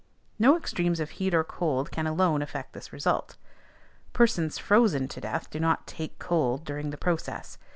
No extremes of heat or cold can alone affect this result: persons frozen to death do not "take cold" during the process.